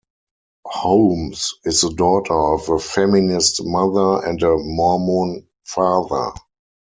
Holmes is the daughter of a feminist mother and a Mormon father.